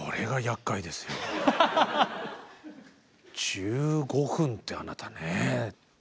１５分ってあなたね。